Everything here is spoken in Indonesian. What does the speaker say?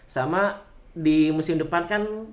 sama di musim depan kan